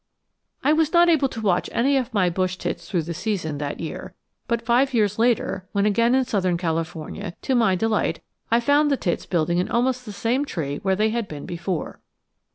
I was not able to watch any of my bush tits through the season, that year, but five years later, when again in southern California, to my delight I found the tits building in almost the same tree where they had been before.